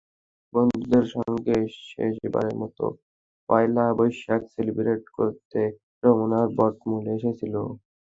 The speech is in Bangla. বন্ধুদের সঙ্গে শেষবারের মতো পয়লা বৈশাখ সেলিব্রেট করতে রমনার বটমূলে এসেছিল।